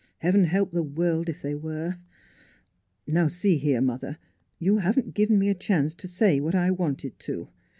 " Heaven help the world, if they were !... Now, see here, mother, you haven't given me a chance to say what I wanted to.